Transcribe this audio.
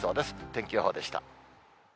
天気予報でした。